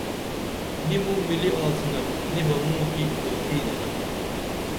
نی موں ملی آڅِنپ نی بہ موں کی اُتِھی گنپ